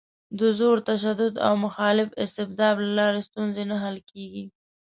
د زور، تشدد او مخالف استبداد له لارې ستونزه نه حل کېږي.